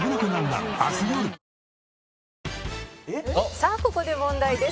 「さあここで問題です」